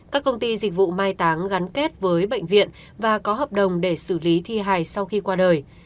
các công ty dịch vụ mai táng gắn kết với bệnh viện và có hợp đồng để xử lý thi hài sau khi qua đời